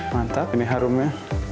mantap ini harumnya